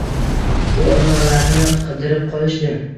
U onalarini qidirib qolishdi.